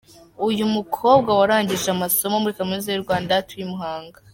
Uyu mukobwa warangije amasomo muri Kaminuza y’u Rwanda, atuye i Muhanga.